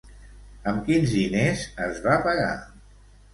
Amb quins diners es va pagar?